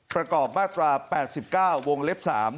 ประกอบมาตรา๘๙วงเล็บ๓